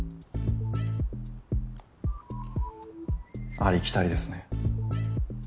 ありきたりですね。